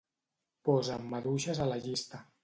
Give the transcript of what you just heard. Posa'm maduixes a la llista.